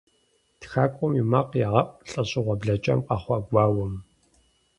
ТхакӀуэм и макъ егъэӀу лӀэщӀыгъуэ блэкӀам къэхъуа гуауэм.